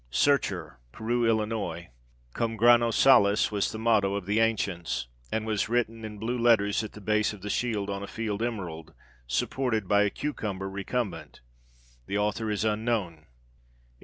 "Searcher," Peru, Ill. Cum grano salis was the motto of the ancients, and was written in blue letters at the base of the shield on a field emerald, supported by a cucumber recumbent. The author is unknown.